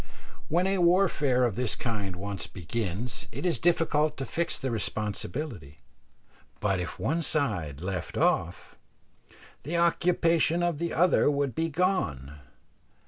When a warfare of this kind once begins, it is difficult to fix the responsibility; but if one side left off, the occupation of the other would be gone.